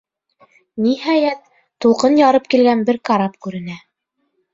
Ниһайәт, тулҡын ярып килгән бер карап күренә.